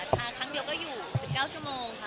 ทางครั้งเดียวก็อยู่๑๙ชั่วโมงค่ะ